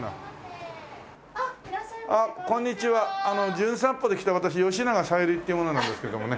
『じゅん散歩』で来た私吉永小百合っていう者なんですけどもね。